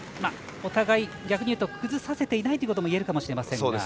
お互い逆に言うと崩させていないということもいえるかもしれません。